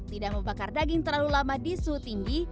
tidak membakar daging terlalu lama di suhu tinggi